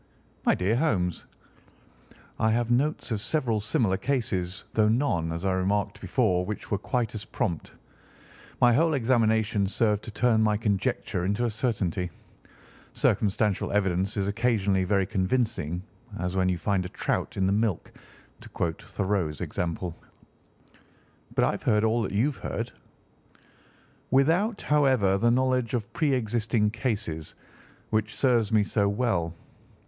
"My dear Holmes!" "I have notes of several similar cases, though none, as I remarked before, which were quite as prompt. My whole examination served to turn my conjecture into a certainty. Circumstantial evidence is occasionally very convincing, as when you find a trout in the milk, to quote Thoreau's example." "But I have heard all that you have heard." "Without, however, the knowledge of pre existing cases which serves me so well.